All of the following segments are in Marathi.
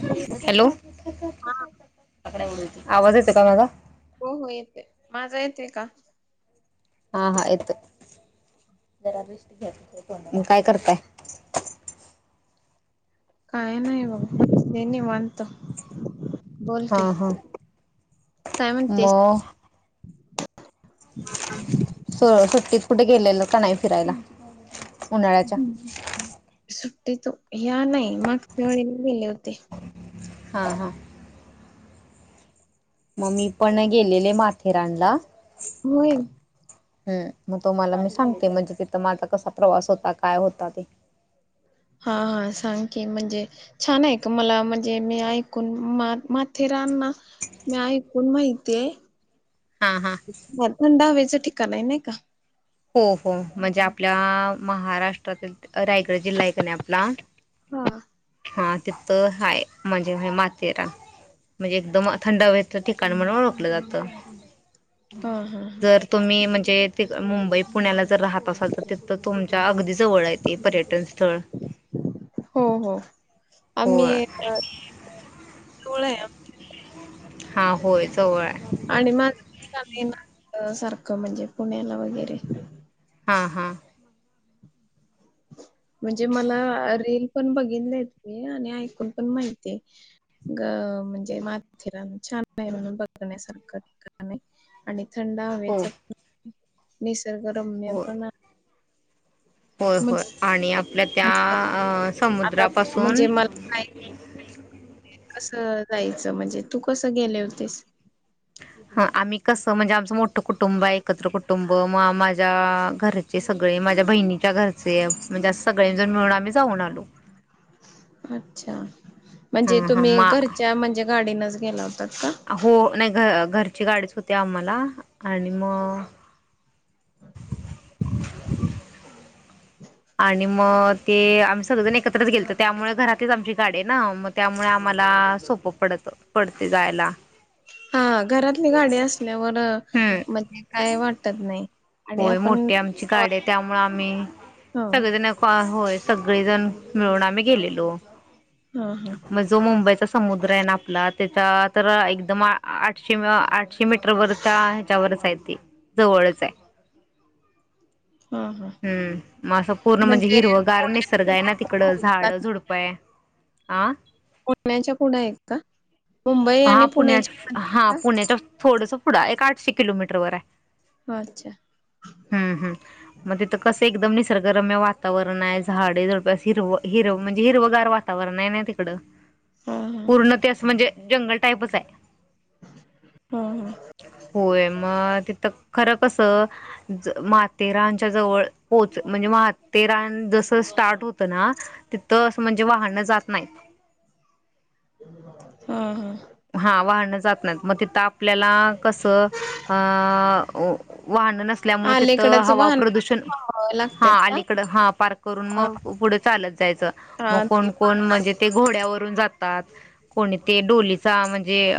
हा हॅलो! आवाज येतो का माझा? हो हो येते माझा येतय का? हा हा येतो. काय करताय? काय नाहीबघ. तें निवांत. बोल हा कीं हा काय म्हणतेस? स सुट्टीत पुढे गेलेलं का न्हाई फिरायला? उन्हाळ्याच्या सुट्टी तू या्या नाही मागच्यावेळी गेले होते. हा हा. मग मी पण गेलेले माथेरानला.. भुवीन. हम् मग तो मला मी सांगते म्हणजे तिथं माझा कसा प्रवास होता काय होता ते. हा हा सांग की म्हणजे छान आहे का मला म्हणजे मी ऐकून मा माथेरान ह मी ऐकून माहिती आहे. हा हा थंड हवेचं ठिकाण आहे नाही का! हो हो म्हणजे आपल्या महाराष्ट्राती रायगड जिल्हा आहे का नाही आपला हा हा. तिथं हाय म्हणजेय मातेरान. म्हणजे एकदम थंडाहं वच ठिकाण म्हणून ओळखलं जातं. हा हा हा. जर तुम्ही म्हणजे मुंबई पुण्याला जर राहत असाल तर त तर तुमच्या अगदी जवळ येत पर्यटन. स्थळ हो हो होय आम्ही.. [unintelligible] हा होय. जवळ आहे आणि माझ येणार सारखं म्हणजे पुण्याला वगैरे हा हां. म्हणजे मला रील. पण बघ देत आणि ऐकून पण माहिती ग म्हणजे माथेरानच्या. म्हणून बघ सारखं आणि थंडा हो हवेचा निसर्गरम्य होय पण होय मग होय आणि आपल्या त्या म्हणजे आता समुद्रापासून. म्हणजे मला काय कसं जायचं म्हणजे तू कसं गेले होतेस. ह आम्ही कसं म्हणजे आमचं मोठं कुटुंब आहे एकत्र कुटुंब. मग माझ्या घरचे सगळे माझ्या बहिणीच्या घरचे म्हणजे अस सगळेजण मिळून आम्ही जाऊ. होणालो. अच्छा म्हणजे हां हां तुम्ही घरच्या म्हणजे गाडीनच गेला होता. आहो नाही घ घरची गाडीच होती आम्हाला आणि मग. [inaudible] आणि मग ते आम्ही सगळेजण एकत्रच गेल तर त्यामुळे घरातच आमची गाडी आहे ना मग त्यामुळे आम्हाला मला सोप पडत पडते जायला. हा घरातली गाडी असल्यावर हम्म. म्हणजे काय वाटत नाही, आणि होय आपण मोठी आमची हो गाडी त्यामुळे आम्ही हा सगळेजण. होय सगळेजण मिळून आम्ही गेलेलो. हा मग जो मुंबईचा समुद्र आहे ना आपला त्याच्यात तर एकदम आठशे आठशे मीटर वरच्या ह्याच्यावरच आहे ते. जवळच आहे. हा. हा हम् मग असं पूर्ण म्हणजे हिरवं गार निसर्ग आहे ना तिकडं झाड झुडपय. आह. पुण्याच्या पुढ आहेत का. मुंबई हा आणि पुण्या पुण्याच्या मध्ये हा आहे पुण्याच्या थोडस पुढं एक आठशे किलोमीटर वर आहे का? अच्छा. हम्म हम्म मग तिथ कस. एकदम निसर्गरम्य वातावरण आहे झाडे जवळपास हिरव हिरव म्हणजे हिरवगार वातावरण आहे ना तिकडे. हा हा. पूर्ण ते अस म्हणजे जंगल टाईपच आहे. हा हा. होय मग तिथं खरं कस. महाथेरानच्या जवळ पोहच म्हणजे म्हातेरान जस स्टार्ट होत ना तिथं असं म्हणजे वाहणं जात नाहीत. हा हा. हा वाहनं जात नाहीत मग त आपल्याला कस. वाहनं नसल्यामुळे तिथं अलीकडच हवा वाहन प्रदूषण. थांबावे हा लागतात का? अलीकड हा पार्क करून हा मग पुढे चालत जायचं मग हा ते कोण कोण म्हणजे वाहनात ते घोड्यावर जातात ते कोणी डोलीच म्हणजे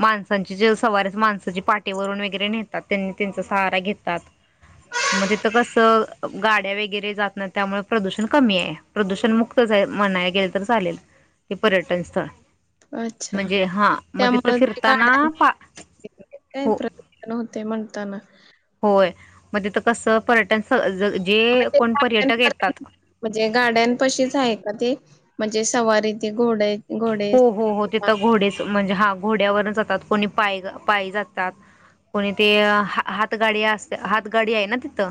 माणसांची जलसवारीत, त्या पाटेवरून वगैरे नेतात त्यांनी त्यांचा सहारा घेतात मग तिथ कसं गाड्या वगैरे जात नाही त्यामुळे प्रदूषण कमी आहे प्रदूषण मुक्त म्हणायला गेले तर चालेल. ते पर्यटन स्थळ अच्छा. म्हणजे हा म तिथं फिरताना पा का हो प्रदूषण होते म्हणताना. म तिथं कसं प जे मग ते कोण पर्यटक येतात. गाड्यांपर्यंत म्हणजे गाड्यांपाशीच आहे का ते? म्हणजे सवारी तेे घोड आहेत हो हो हो ते तर घोडेच म्हणजे हा घोड्यावरच जतात कोणी. पाय पाय जातात कोणी ते हात गाडी असते हात गाडी आहे ना तिथं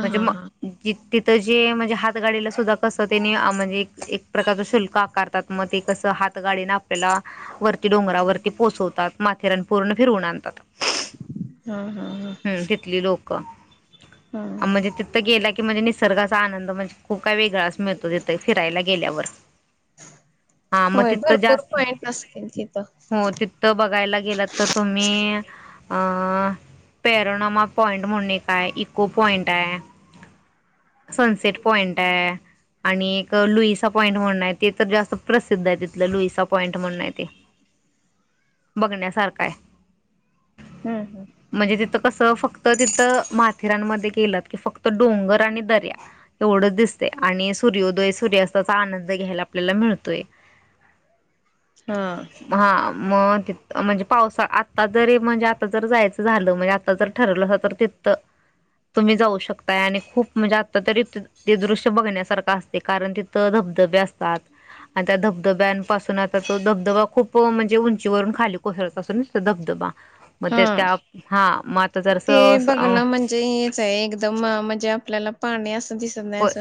म्हणजे हा मग हा. ज तिथं जे म्हणजे हात गाडीला सुद्धा कसं तेनी म्हणजे एक प्रकारचं शुल्क आकारतात मग ते हात गाडीने आपल्याला वरती डोंगरावररती पोचवतात. माथेरान पूर्ण फिरवून आणतात. हा. हा हा. हम्म तिथली लोक, हा. म्हणजे तिथं गेला की म्हणजे निसर्गाचा आनंद म्हणजे खूप काय वेगळा अस मिळतो तिथे फिरायला गेल्यावर. हा मग होय तिथं भरपूर जास्त पॉइंट असतील. तिथं. हो तिथं बघायला गेलं तर तुम्ही अ पॅरोनामा पॉइंट म्हणून एक आय इको पॉइंटे. सनसेेट पइंटे. आणि एक लुईसा पॉइंट म्हणूणे ते तर जास्त प्रसिद्ध आहे तिथलं लुईस पॉईंट म्हणुणे ते बघण्यासारखये. हम्म हम्म. कसं फक्त तिथं माथेरानमध्ये गेलंत की फक्त डोंगर आणि दर्या एवढंच दिसते आणि सूर्योदय सूर्यास्ताचा आनंद घ्यायला आपल्याला मिळतोय. हा हा. मग त म्हणजे पावसा आता जरी म्हणजे आता जर जायचं झालं म्हणजे आता जर ठरलं अस तर ते तुम्ही जाऊ शकताय, आणि खूप म्हणजे आत्ता तरी ते दृश्य बघण्यासारखं असते कारण तिथं धबधबे असतात. आणि त्या धबधब्यांपासून आता तो धबधबा खूप म्हणजे उंचीवरून खाली कोसळत असून धबधबा. मग ते हा त्या हा मग आता ते जरासं बघणं म्हणजे हेच आहे एकदम म्हणजे आपल्याला पाणी असं दिसत नाही होय अस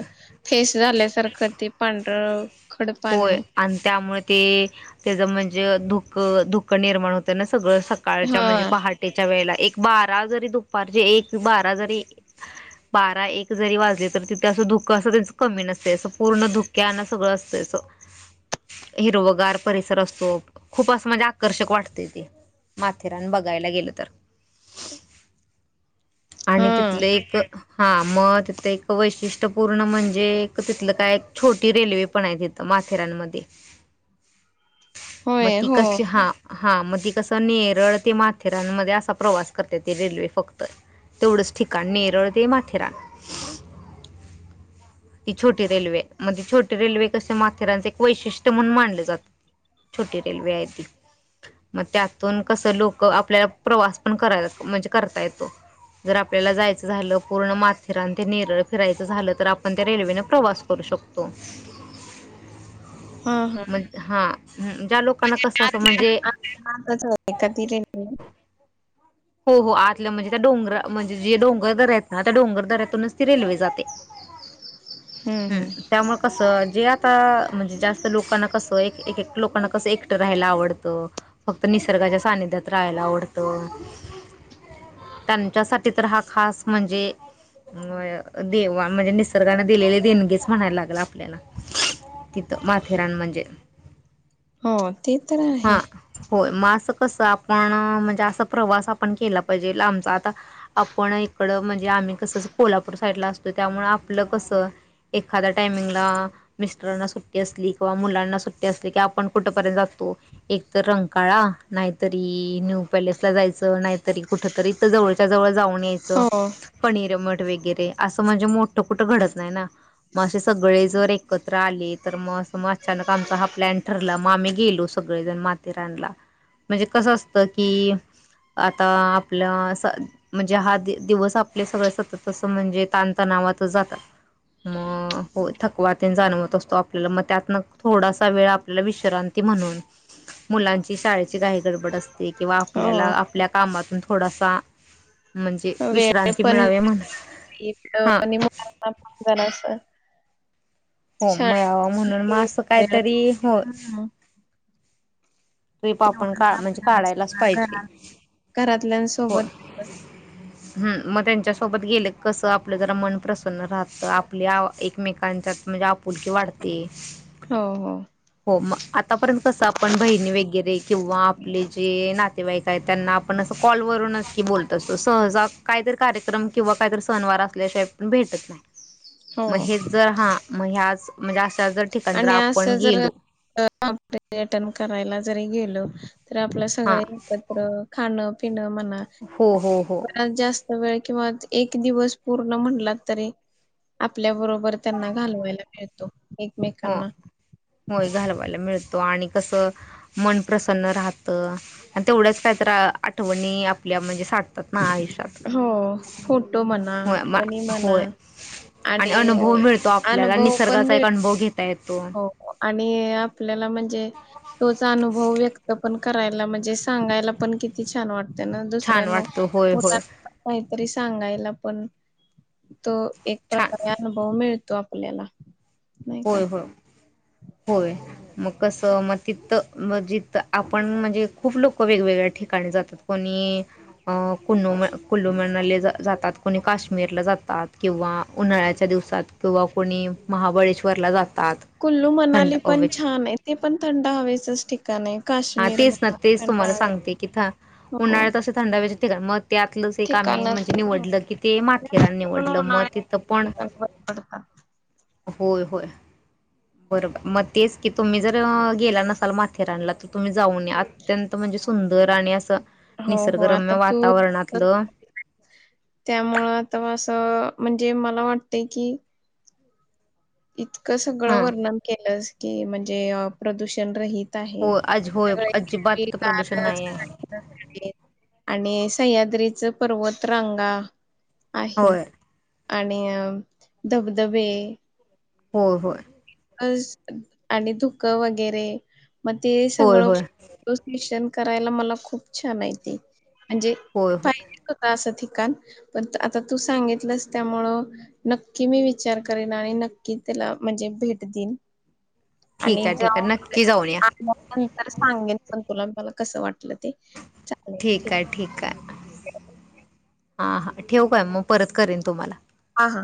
फेस झालं सारखं त पांढरं खड होय पाणी आणि त्यामुळे ते त्याचं म्हणजे धुक धुक निर्माण होतं ना. सगळं सकाळच्या हा म्हणजे पहाटेच्या वेळेला एक बारा जरी दुपारचे एक बारा जरी बारा एक जरी वाजले तरी तिथे असं धु क अस कमी नसते अस पूर्ण धुक्याण सगळं असतं. हिरोवगार परिसर असतो खूप अस म्हणजे आकर्षक वाटते ते. माथेरान बघायला गेलं तर. आणि हा तिथले एक हा मग तिथे एक वैशिष्ट्यपूर्ण म्हणजे तिथलं काय एक छोटी रेल्वे पण आहे तिथ. माथेरानमध्ये मग होय ती हो कशी हा हा मग ती कसं नेरळ ते माथेरानमध्ये असा प्रवास करते ती रेल्वे फक्त. तेवडंच ठीकान नेरळ ते माथेरान. ती छोटी रेल्वे म छोटी रेल्वे तस माथेरानचं एक वैशिष्ट्य म्हणून मानले जात छोटी रेल्वे आहे ती. मग त्यातून कसं लोक आपल्याला प्रवास पण कराय म्हणजे करता येतो. जर आपल्याला जायचं झालं. पूर्ण माथेरान ते निरळ फिरायचं झालं तर आपण त्या रेल्वेने प्रवास करू शकतो. हा हा. म हा ज्या लोकांना कस असं म्हणजे आता आताच कधी [inaudible] हो हो आतल्या म्हणजे त्या डोंगर म्हणजे जे डोंगर दऱ्यायेत ना त्या डोंगर दरातूनच ती रेल्वे जाते. हम्म त्यामुळे कसं जे आता म्हणजे जास्त लोकांना कसं एक एक लोकांना कस एक ट राहायला आवडत. फक्त निसर्गाच्या सानिध्यात राहायला आवडत. त्यांच्यासाठी तर हा खास म्हणजे अ देवा म्हणजे निसर्गाने दिलेले देणगीच म्हणायला लागल आपल्याला. तिथं माथेरान म्हणजे, हो ते तर आहे. हां होय मग असं कसं आपण म्हणजे असा प्रवास आप ण केला पाहिजे आम आता आपण इकड म्हणजे आम्ही कसं कोल्हापूर साईडला असतो त्यामुळ आपलं कसं, एखाद्या टायमिंगला मिस्टरांना सुट्टी असली किंवा मुलांना सुट्टी असली की आपण कुठे पर्यंत जातो. एक तर रंकाळा नाहीतरी न्यू पॅलेसला जायच. नाहीतरी कुठतरी, जवळच्या जवळ जाऊन यायच हो. कणेरीमठ वगैरे अस म्हणजे मोठ कुठं घडत नाही ना. मग असे सगळे जर एकत्र आले तर मग, मग अचानक आमचा हा प्लॅन ठरला मग आम्ही गेलो सगळेजण माथेरानला. म्हणजे कसं असतं की, आता आपलं म्हणजे हा दिवस आपल्या सगळ सतत असं म्हणजे ताण तणावात, जातात. मग हो थकवात जाणवत असतो. आपल्याला मग त्यात थोडासा वेळ आपल्याला विश्रांती, म्हणून मुलांची शाळेची काही गडबड असते. किंवा आपल्याला हो आपल्या कामातून थोडासा म्हणजे विश्रांती मिळावी म्हणून. इथं हा कधी अधून मधून जाण असंत. हो मिळावा म्हणून मग असं वेळ काहीतरी हो, हम्म ट्रिप आपण तेवढंच काढतो म्हणजे आपल्याला काढायलाच सगळं पाहिजे. घरात हो घरातल्यांसोबत हम्म म त्यांच्यासोबत गेलं कसं आपलं जरा मन प्रसन्न राहतं. आपल्या एकमेकांच्या म्हणजे आप आपुलकीे वाढते. हो हो हो मग, आतापर्यंत कसं आपण बहिणी वगैरे किंवा आपले जे नातेवाईक आहे त्यांना आपणं असं कॉल वरूनच न की बोलत असतो सहज काहीतरी कार्यक्रम किंवा काहीतरी सहनवार असल्याशिवाय पण भेटत नाही. हो मग हेच जर हा मग हा आज म्हणजे, जर ठिकाण जर आणि अस आपण जर गेलो अट करायला जरी गेलो, तर आपल्या हा सगळे एकत्र खाणं पिणं म्हणा, हो हो हो जरा जास्त वेळ किंवा एक दिवस पूर्ण म्हणला तरी आपल्याबरो बर त्यांना घालवायला मिळतो. हो एकमेकांना होय घालवायला मिळत. आणि कस मन प्रसन्न राहत आणि तेवढंच कायतर आठवणी आपल्या म्हणजे साठतात ना आयुष्यात. हो फोटो म्हणा हो आठवणी म्हणा होय आणि अनुभव मिळतो आपल्याला अनुभव पण निसर्गाचा मिळ एक अनुभव घेतो. हो आणि आपल्याला म्हणजे तोचा अनुभव व्यक्त पण करायला म्हणजे सांगायला पण किती छान वाटत. त्यांना छान दुसऱ्यांना वाटतो होय मुला होय काहीतरी सांगायला पण तो एक छान प्रकारे अनुभव मिळतो आपल्याला. नाही का होय हो. होय मग कस मग तिथ जिथ आपण म्हणजे खूप लोक वेगवेग ळ्या ठिकाणी जातात कोणी कु कुलूमनालीला जातात कोणी काश्मीरला जातात किंवा उन्हाळ्याच्या दिवसात किंवा कोणी महाबळेश्वरला जात. कुल्लू मनाली पण छान आहे ते पण थंड हवेच ठिका ण आहे. हां काश्मीर तेच ना म्हणा तेच थंडा तुम्हाला हवेचं सांगते की थ हो उन्हाळ्यात असे थंड हवेचे ठिकाण मग त्यातलंच एक आम्ही ठिकाणच म्हणजे हो. निवडलं कि ते जास्त माथेरान करून निवडलं मग उन्हाळ्यात ठिकाण बरी पडतात हो हो बरोबर मग तेच की तुम्ही जर गेला नसाल माथेरानला तर तुम्ही जाऊन अत्यंत म्हणजे सुंदर आणि असं हो हो आता निसर्गरम्य तू वातावरणातलं त्यामुळं तर असं म्हणजे मला वाटते की, इतकं सगळं हा वर्णन केलंस की म्हणजे प्रदूषण रहित हो आज होय अजिबात इथं प्रदूषण नाही आहे [unintelligible] सह्याद्रीच पर्वतरांगा आहेत. होय आणि धबधबे हो हो आणि धुक वगैरे मग ते होय सगळं होय दृश्य करायला मला खूप छान आहे ते म्हणजे होय होय पायजे मला असा ठि काण पण आता तू सांगितलंस त्यामुळ नक्की मी विचार करेन आणि नक्की ला म्हणजे भेट ठीक आणि आहे ठीक आहे नक्की जाऊन या [unintelligible] नंतर सांगेन पण तुला मला कसं वाटलं ते ठीक आहे ठीक आहे हा हा ठेव काय मग परत करेन तुम्हाला हा हा